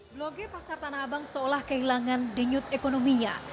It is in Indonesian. bloge pasar tanah abang seolah kehilangan denyut ekonominya